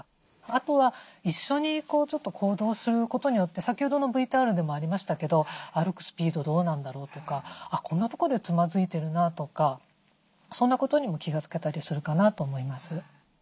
あとは一緒に行動することによって先ほどのＶＴＲでもありましたけど歩くスピードどうなんだろうとかこんなとこでつまずいてるなとかそんなことにも気が付けたりするかなと思います。